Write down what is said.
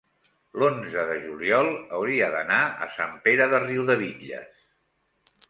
l'onze de juliol hauria d'anar a Sant Pere de Riudebitlles.